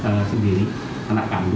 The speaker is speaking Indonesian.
ternyata tersangka berusaha melarikan diri